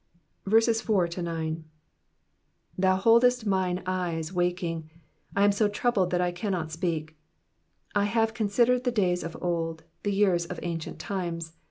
4 Thou boldest mine eyes waking : I am so troubled that I cannot speak. 5 I have considered the days of old, the years of ancient times.